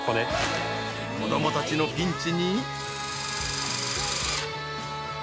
子どもたちのピンチに。